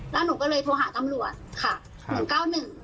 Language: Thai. แล้วหนูก็เลยโทรหาตำรวจค่ะ๑๙๑